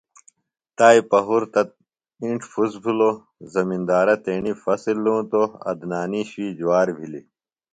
تائی پہُرتہ انڇ پُھس بِھلوۡ۔ زمندارہ تیݨی فصۡل لونۡتوۡ .عدنانی شُوِئی جُوار بِھلیۡ۔